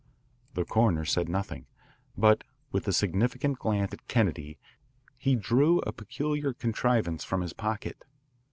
The coroner said nothing, but with a significant glance at Kennedy he drew a peculiar contrivance from his pocket.